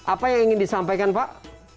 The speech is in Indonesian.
apa yang ingin disampaikan pak